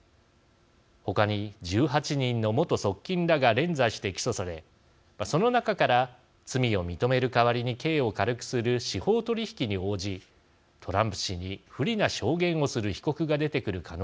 ほかに１８人の元側近らが連座して起訴されその中から罪を認める代わりに刑を軽くする司法取引に応じトランプ氏に不利な証言をする被告が出てくる可能性もあります。